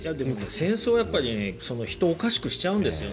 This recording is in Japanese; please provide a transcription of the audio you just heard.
戦争はやっぱり人をおかしくしちゃうんです。